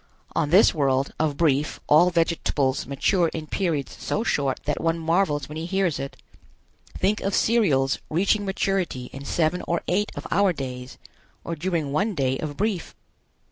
On this world, of Brief all vegetables mature in periods so short that one marvels when he hears it. Think of cereals reaching maturity in seven or eight of our days, or during one day of Brief.